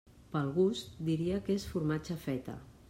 Pel gust, diria que és formatge feta.